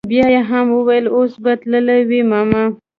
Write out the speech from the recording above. بيا يې هم وويل اوس به تلي وي ماما.